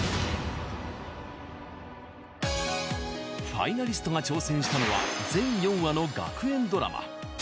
ファイナリストが挑戦したのは全４話の学園ドラマ。